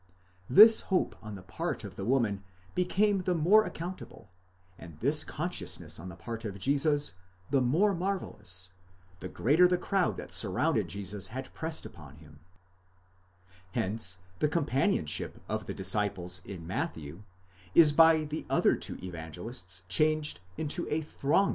This hope on the part of the woman became the more accountable, and this con sciousness on the part of Jesus the more marvellous, the greater the crowd that surrounded Jesus and pressed upon him ; hence the companionship of the disciples in Matthew is by the other two Evangelists changed into a éhronging * Ueber den Zweck der evang.